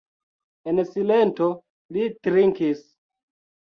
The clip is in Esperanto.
En silento li trinkis.